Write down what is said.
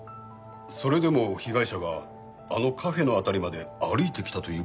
それでも被害者があのカフェの辺りまで歩いてきたという事は。